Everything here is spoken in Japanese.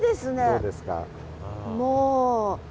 どうですか？